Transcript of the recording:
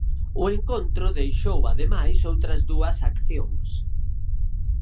O encontro deixou ademais outras dúas accións.